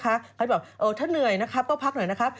เขาบอกถ้าเหนื่อยนะครับก็พักหน่อยนะครับ